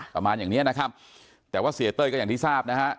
ประมาณอย่างเนี้ยนะครับแต่ว่าเสียเต้ยก็อย่างที่ทราบนะฮะ